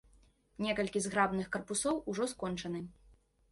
Некалькі зграбных карпусоў ужо скончаны.